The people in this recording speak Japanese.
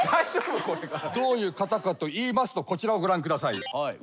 どういう方かといいますとこちらをご覧ください。